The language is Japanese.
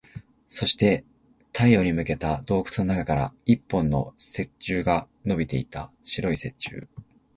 そして、太陽に向けて洞窟の中から一本の石柱が伸びていた。白い石柱。